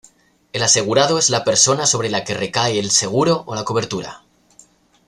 El asegurado es la persona sobre la que recae el seguro o la cobertura.